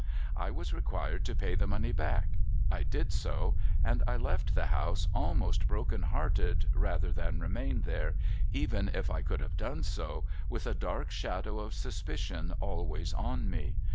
I was required to pay the money back. I did so ; and I left the house, almost broken hearted, rather than remain there, — even if I could have done so, — with a dark shadow of suspicion always on me.